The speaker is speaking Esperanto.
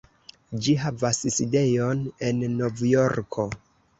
Ĝi havas sidejon en Novjorko.